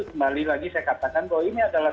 kembali lagi saya katakan bahwa ini adalah